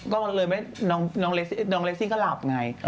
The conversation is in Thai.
ตอนนั้นน้องเลสซิก็หลับไง